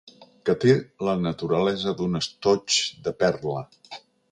Que té la naturalesa d'un estoig de perla.